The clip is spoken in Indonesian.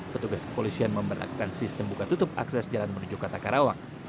petugas kepolisian memperlakukan sistem buka tutup akses jalan menuju kota karawang